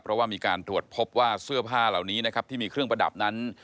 เพราะว่ามีการตรวจพบว่าเสื้อผ้าเหล่านี้นะครับที่มีเครื่องประดับนั้น